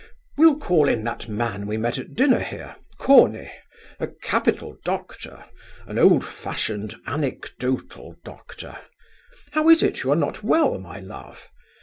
"We'll call in that man we met at dinner here: Corney: a capital doctor; an old fashioned anecdotal doctor. How is it you are not well, my love?